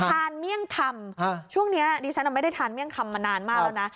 เมี่ยงคำช่วงนี้ดิฉันไม่ได้ทานเมี่ยงคำมานานมากแล้วนะ